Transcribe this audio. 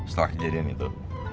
setelah kejadian itu